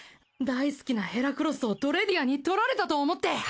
大好きなヘラクロスをドレディアに取られたと思って！